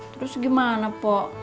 terus gimana pok